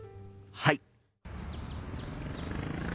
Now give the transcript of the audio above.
はい！